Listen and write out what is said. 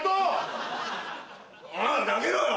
投げろよ！